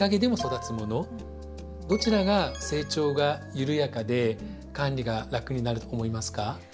どちらが成長が緩やかで管理が楽になると思いますか？